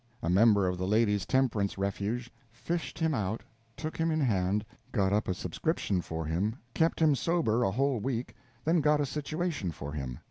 A member of the Ladies' Temperance Refuge fished him out, took him in hand, got up a subscription for him, kept him sober a whole week, then got a situation for him.